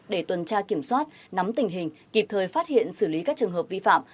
để tuần tra kiểm soát nắm tình hình kịp thời phát hiện xử lý các trường hợp vi phạm